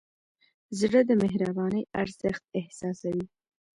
زړه د مهربانۍ ارزښت احساسوي.